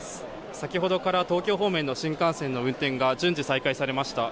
先ほどから東京方面の新幹線の運転が順次再開されました。